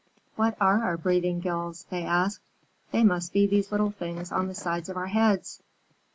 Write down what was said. "What are our breathing gills?" they asked. "They must be these little things on the sides of our heads."